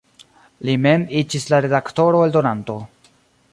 Li mem iĝis la redaktoro-eldonanto.